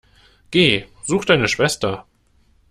Geh, such deine Schwester!